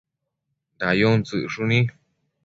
dayun tsëcshuni